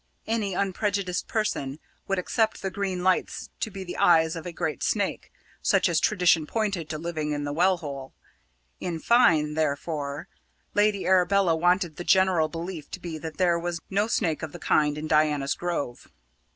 Any unprejudiced person would accept the green lights to be the eyes of a great snake, such as tradition pointed to living in the well hole. In fine, therefore, Lady Arabella wanted the general belief to be that there was no snake of the kind in Diana's Grove.